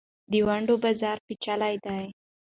د ونډو بازار پېچلی دی.